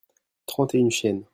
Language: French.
trente et une chiennes.